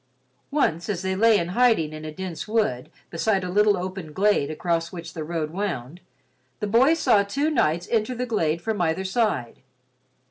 Once, as they lay in hiding in a dense wood beside a little open glade across which the road wound, the boy saw two knights enter the glade from either side.